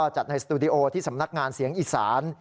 จัดในสตูดิโอที่สำนักงานเสียงอีสาน